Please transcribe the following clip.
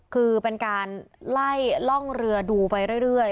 คือเป็นการไล่ล่องเรือดูไปเรื่อย